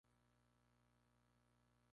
Habita en Perú y en Ecuador.